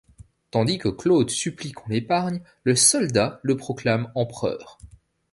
Tandis que Claude supplie qu'on l'épargne, le soldat le proclame empereur.